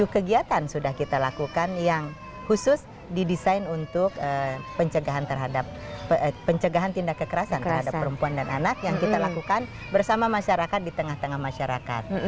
tujuh kegiatan sudah kita lakukan yang khusus didesain untuk pencegahan tindak kekerasan terhadap perempuan dan anak yang kita lakukan bersama masyarakat di tengah tengah masyarakat